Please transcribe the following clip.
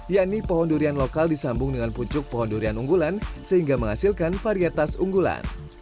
yakni pohon durian lokal disambung dengan pucuk pohon durian unggulan sehingga menghasilkan varietas unggulan